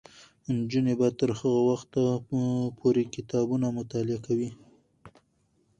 نجونې به تر هغه وخته پورې کتابونه مطالعه کوي.